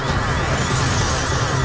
aku mau kesana